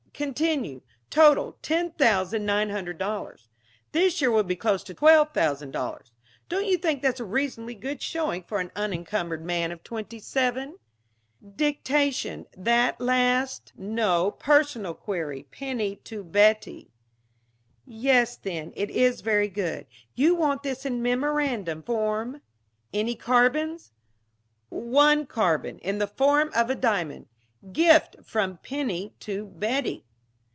Continue. Total, $10,900. This year will be close to $12,000. Don't you think that's a reasonably good showing for an unencumbered man of twenty seven?" "Dictation that last?" "No, personal query, Penny to Betty." "Yes, then, it is very good. You want this in memorandum form. Any carbons?" "One carbon in the form of a diamond gift from Penny to Betty."